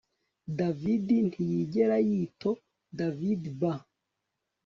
David ntiyigera yitoDavidba